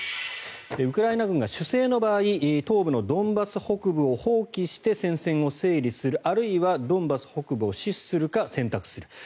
ウクライナが守勢の場合東部のドンバス北部を放棄して戦線を整理するあるいはドンバス北部を死守するか選択する。